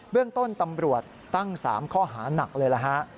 เรื่องต้นตำรวจตั้ง๓ข้อหานักเลยล่ะฮะ